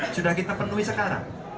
sudah kita penuhi sekarang